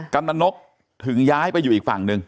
กำลังนกถึงย้ายไปอยู่อีกฝั่งหนึ่ง